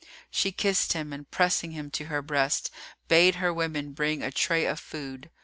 She kissed him and pressing him to her breast, bade her women bring a tray of food.